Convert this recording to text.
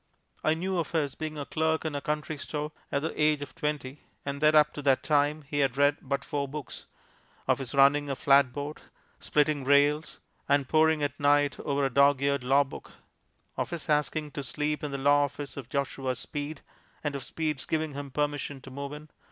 I knew of his being a clerk in a country store at the age of twenty, and that up to that time he had read but four books; of his running a flatboat, splitting rails, and poring at night over a dog eared law book; of his asking to sleep in the law office of Joshua Speed, and of Speed's giving him permission to move in.